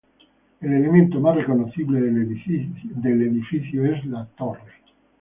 El elemento más reconocible del edificio es la torre.